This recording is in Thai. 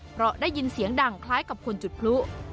เพราะได้ยินเสียงดังคล้ายกับคนจุดพลุ